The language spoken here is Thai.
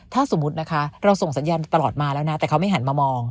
ถ้าสมมุตินะคะเราส่งสัญญาณตลอดมาแล้วนะแต่เขาไม่หันมามอง